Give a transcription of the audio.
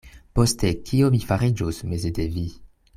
Poste kio mi fariĝus meze de vi?